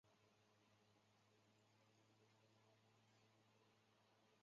辖境相当今宁夏回族自治区青铜峡市河西地区及永宁县西南部黄河之西。